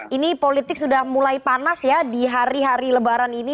ini politik sudah mulai panas ya di hari hari lebaran ini